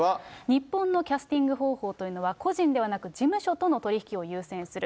日本のキャスティング方法というのは、個人ではなく、事務所との取り引きを優先する。